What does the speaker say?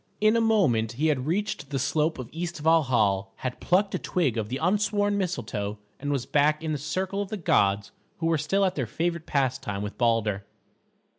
In a moment he had reached the slope east of Valhal, had plucked a twig of the unsworn Mistletoe, and was back in the circle of the gods, who were still at their favourite pastime with Balder.